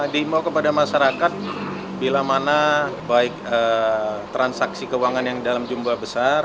diimbau kepada masyarakat bila mana baik transaksi keuangan yang dalam jumlah besar